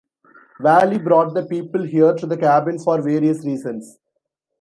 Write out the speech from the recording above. Valle brought the people here to the cabin for various reasons.